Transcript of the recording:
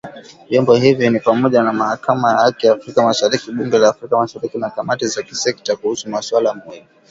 Vyombo hivi ni pamoja na Mahakama ya Haki ya Afrika Mashariki, Bunge la Afrika Mashariki na kamati za kisekta kuhusu masuala muhimu.